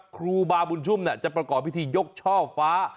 ครูบาบุญชุมจะประกอบพิธียกช่อฟ้า